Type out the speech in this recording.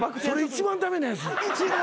一番駄目なやつ？